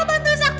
udah sakti sakti